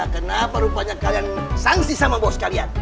kenapa rupanya kalian sangsi sama bos kalian